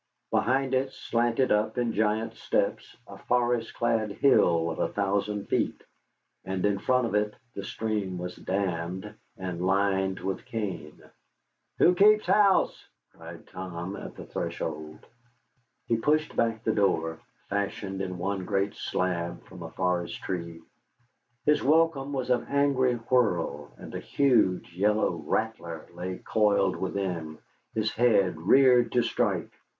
Behind it slanted up, in giant steps, a forest clad hill of a thousand feet, and in front of it the stream was dammed and lined with cane. "Who keeps house?" cried Tom, at the threshold. He pushed back the door, fashioned in one great slab from a forest tree. His welcome was an angry whir, and a huge yellow rattler lay coiled within, his head reared to strike.